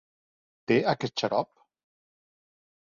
Té aquest xarop?